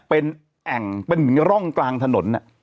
เป็นแอ่งเป็นเหมือนร่องกลางถนน